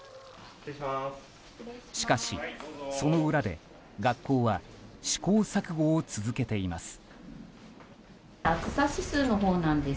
しかし、その裏で学校は試行錯誤を続けています。